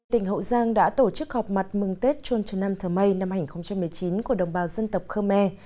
tỉnh hậu giang đã tổ chức họp mặt mừng tết chôn trần nam thơ mây năm hai nghìn một mươi chín của đồng bào dân tộc khmer